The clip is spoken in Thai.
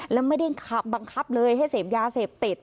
แล้วไม่ได้ขับบังคับเลยให้เสพยาเสพติด